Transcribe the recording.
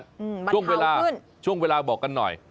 บรรเทาขึ้นช่วงเวลาช่วงเวลาบอกกันหน่อย